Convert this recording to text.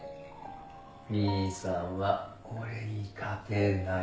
兄さんは俺に勝てない。